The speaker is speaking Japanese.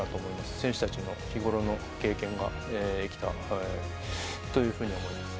選手たちも日頃の経験が生きたというふうに思います。